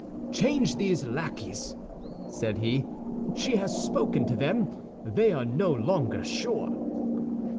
"Change these lackeys," said he; "she has spoken to them. They are no longer sure."